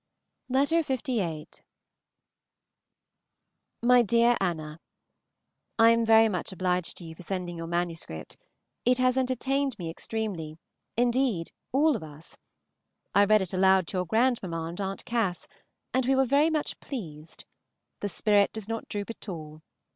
Miss AUSTEN, Chawton. By favor of Mr. GRAY. LVIII. MY DEAR ANNA, I am very much obliged to you for sending your MS. It has entertained me extremely; indeed all of us. I read it aloud to your grandmamma and Aunt Cass, and we were all very much pleased. The spirit does not droop at all.